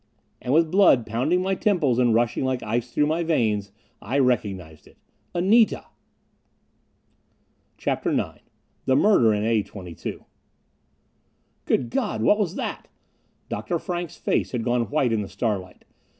And with blood pounding my temples and rushing like ice through my veins, I recognized it. Anita! CHAPTER IX The Murder in A 22 "Good God, what was that?" Dr. Frank's face had gone white in the starlight.